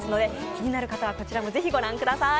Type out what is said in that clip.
気になる方はこちらもぜひご覧ください。